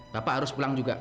bapak harus pulang juga